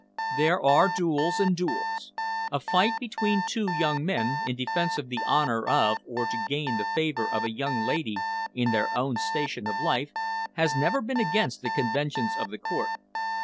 "There are duels and duels. A fight between two young men, in defence of the honour of or to gain the favour of a young lady in their own station of life, has never been against the conventions of the Court.